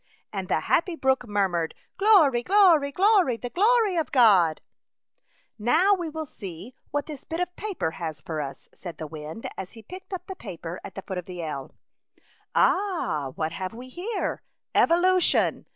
And the happy brook murmured, " Glory, glory, glory ! the glory of God/' " Now we will see what this bit of paper has for us,'* said the wind as he picked up the paper at the foot of the elm. " Ah ! What have we here ? Evo lution